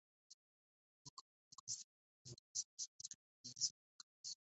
Luego crearon castigos para aquellas personas que no podían ser educadas.